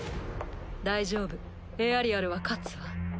大丈夫エアリアルは勝つわ。